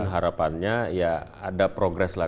harapannya ya ada progres lah